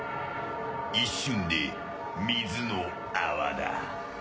一瞬で水の泡だ。